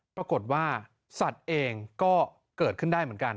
ปรากฏว่าสัตว์เองก็เกิดขึ้นได้เหมือนกัน